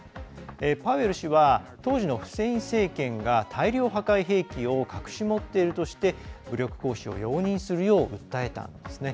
パウエル氏は当時のフセイン政権が大量破壊兵器を隠し持っているとして武力行使を容認するよう訴えたんですね。